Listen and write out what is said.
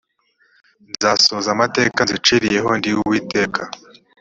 nzasohoza amateka nziciriye ho ndi uwiteka